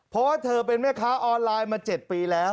เพราะว่าเธอเป็นแม่ค้าออนไลน์มา๗ปีแล้ว